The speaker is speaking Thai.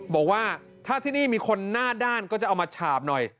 บอกว่าถ้าที่นี่มีคนหน้าด้านก็จะเอามาฉาบหน่อย